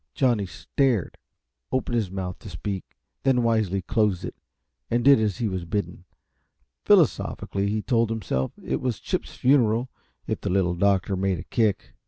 Johnny stared, opened his mouth to speak, then wisely closed it and did as he was bidden. Philosophically he told himself it was Chip's funeral, if the Little Doctor made a kick.